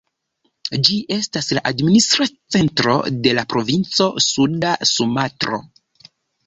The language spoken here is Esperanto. Ĝi estas la administra centro de la provinco Suda Sumatro.